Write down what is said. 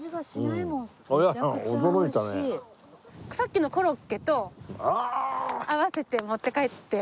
さっきのコロッケと合わせて持って帰って。